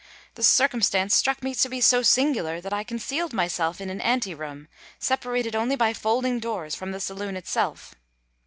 This circumstance struck me to be so singular, that I concealed myself in an ante room, separated only by folding doors from the saloon itself.